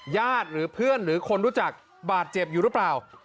ญาติหรือเพื่อนหรือคนรู้จักบาดเจ็บอยู่หรือเปล่า